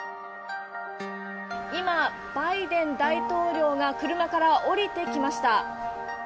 今、バイデン大統領が車から降りてきました。